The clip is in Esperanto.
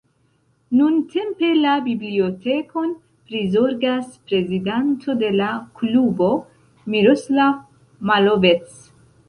Nuntempe la bibliotekon prizorgas prezidanto de la klubo Miroslav Malovec.